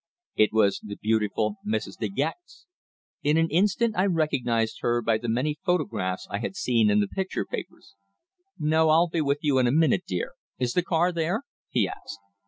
It was the beautiful Mrs. De Gex! In an instant I recognized her by the many photographs I had seen in the picture papers. "No. I'll be with you in a minute, dear. Is the car there?" he asked.